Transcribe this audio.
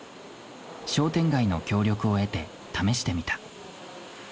商店街の協力を得て試してみた。